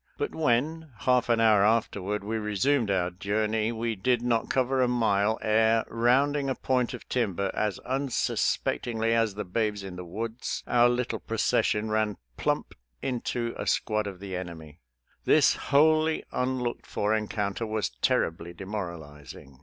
But when, half an hour afterward, we resumed our journey, we did not cover a mile ere, rounding a point of tim ber, as unsuspectingly as " the babes in the woods," our little procession ran plump into a 154 SOLDIER'S LETTERS TO CHARMING NELLIE squad of the enemy. This wholly unlocked for encounter was terribly demoralizing